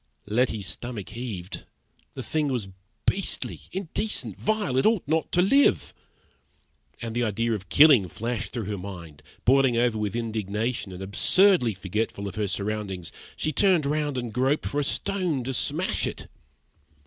Letty's stomach heaved; the thing was beastly, indecent, vile, it ought not to live! And the idea of killing flashed through her mind. Boiling over with indignation and absurdly forgetful of her surroundings, she turned round and groped for a stone to smash it.